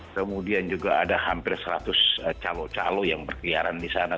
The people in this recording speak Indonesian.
kemudian juga ada hampir seratus calo calo yang berkeliaran di sana